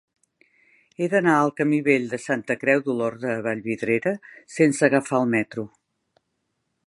He d'anar al camí Vell de Santa Creu d'Olorda a Vallvidrera sense agafar el metro.